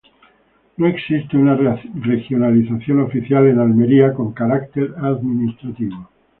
No existe una regionalización oficial en Almería con carácter administrativo.